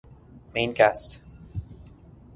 Main Cast